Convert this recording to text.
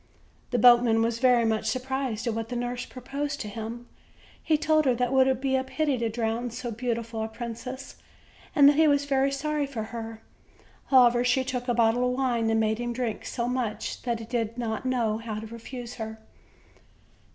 The boatman was very much surprised at what the nurse proposed to him. He told her that it would be a pity to drown so beautiful a princess, and that he was very sorry for her. However, she took a bottle of wine, and made him drink so much that he did not know how to refuse her.